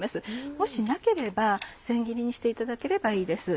もしなければ千切りにしていただければいいです。